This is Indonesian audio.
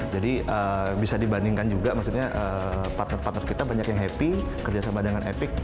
jadi bisa dibandingkan juga maksudnya partner partner kita banyak yang happy kerja sama dengan epic